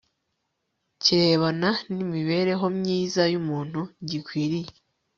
kirebana nimibereho myiza yumuntu gikwiriye